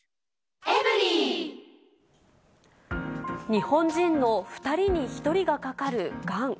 日本人の２人に１人がかかるがん。